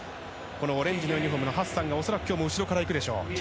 オレンジのユニホームのハッサンが後ろから行くでしょう。